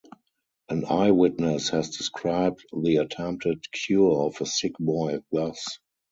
An eyewitness has described the attempted cure of a sick boy thus.